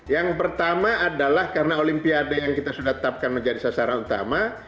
yang pertama adalah karena olimpiade yang kita sudah tetapkan menjadi sasaran utama